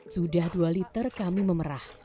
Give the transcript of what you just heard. sudah dua liter kami memerah